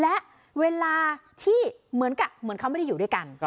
และเวลาที่เหมือนกับเหมือนเขาไม่ได้อยู่ด้วยกัน